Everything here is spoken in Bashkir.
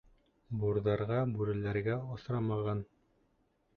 Бурҙарға, бүреләргә осрамаған.